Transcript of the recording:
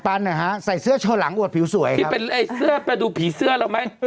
ปันอะฮะใส่เสื้อโชว์หลังอวดผิวสวยครับที่เป็นไอ้เสื้อไปดูผีเสื้อเราไหม